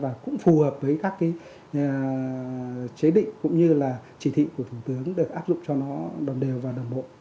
và cũng phù hợp với các cái chế định cũng như là chỉ thị của thủ tướng được áp dụng cho nó đồng đều và đồng bộ